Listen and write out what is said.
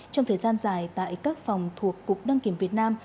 trong thời gian dài tại các phòng thuộc cục đăng kiểm việt nam